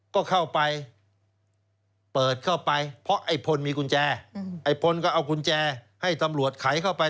ก็เข้าไปเปิดเข้าไปเพราะไอ้พลมีกุญแจไอ้พลก็เอากุญแจให้ตำรวจไขเข้าไป